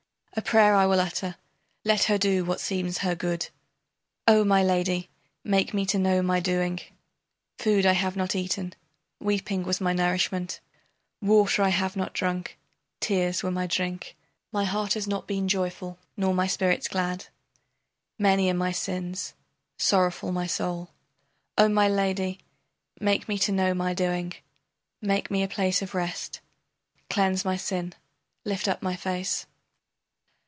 A prayer I will utter, let her do what seems her good. O my lady, make me to know my doing, Food I have not eaten, weeping was my nourishment, Water I have not drunk, tears were my drink, My heart has not been joyful nor my spirits glad. Many are my sins, sorrowful my soul. O my lady, make me to know my doing, Make me a place of rest, Cleanse my sin, lift up my face.